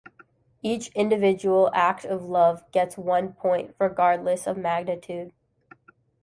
Each individual act of love gets one point, regardless of magnitude.